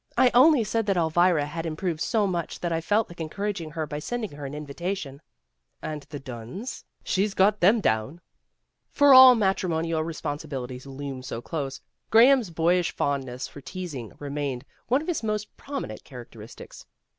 I only said that Elvira had improved so much that I felt like encouraging her by sending her an invitation. '' ''And the Dunns. She's got them down." For all matrimonial responsibilities loomed so close, Graham's boyish fondness for teasing remained one of his most prominent char acteristics.